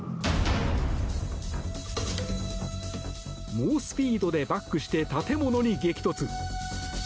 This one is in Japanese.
猛スピードでバックして建物に激突。